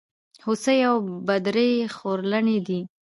هوسۍ او بدرۍ خورلڼي دي.